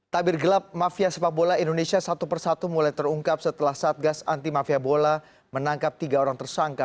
tabir gelap mafia sepak bola indonesia satu persatu mulai terungkap setelah satgas anti mafia bola menangkap tiga orang tersangka